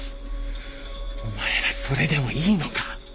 お前らそれでもいいのか？